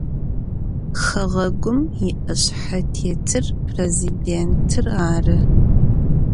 Хэгъэгум иӏэшъхьэтетыр президентыр ары.